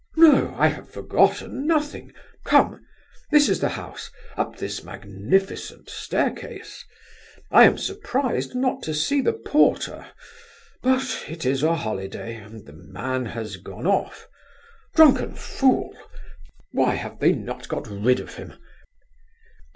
"No, I have forgotten nothing. Come! This is the house—up this magnificent staircase. I am surprised not to see the porter, but .... it is a holiday... and the man has gone off... Drunken fool! Why have they not got rid of him?